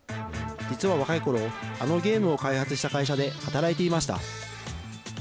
実は若いころあのゲーム開発した会社で働いていました。